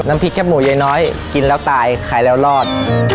น้ำพริกแค่หมูน้อยน้อยกินแล้วตายขายแล้วรอด